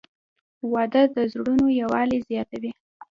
• واده د زړونو یووالی زیاتوي.